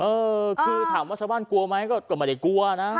เออคือถามว่าชาวบ้านกลัวไหมก็ไม่ได้กลัวนะ